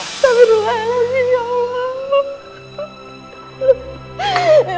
astagfirullahaladzim ya allah